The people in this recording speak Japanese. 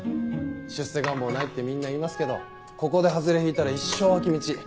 出世願望ないってみんな言いますけどここでハズレ引いたら一生脇道。